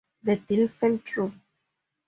The deal fell through.